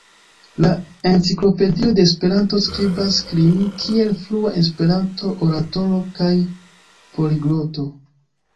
La Enciklopedio de Esperanto priskribas lin kiel flua Esperanto-oratoro kaj poligloto.